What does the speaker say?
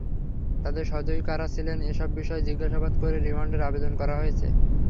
তাদের সহযোগী কারা ছিলেন-এসব বিষয় জিজ্ঞাসাবাদ করতে রিমান্ডের আবেদন করা হয়েছে।